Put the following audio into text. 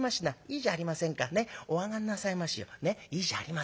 いいじゃありませんか。